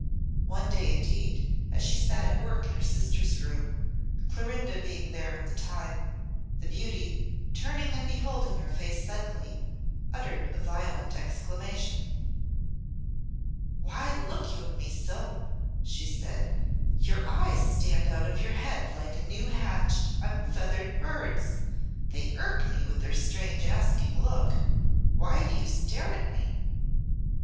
One day, indeed, as she sat at work in her sister's room, Clorinda being there at the time, the beauty, turning and beholding her face suddenly, uttered a violent exclamation. "Why look you at me so?" she said. "Your eyes stand out of your head like a new hatched, unfeathered bird's. They irk me with their strange asking look. Why do you stare at me?"